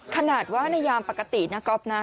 ขนาดว่าในยามปกตินะก๊อฟนะ